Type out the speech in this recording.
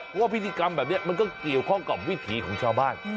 เพราะว่าพิธีกรรมแบบนี้มันก็เกี่ยวข้องกับวิถีของชาวบ้าน